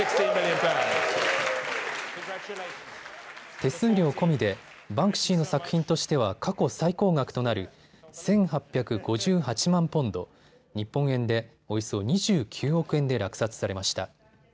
手数料込みで、バンクシーの作品としては過去最高額となる１８５８万ポンド、日本円でおよそ２９億円で落札されました。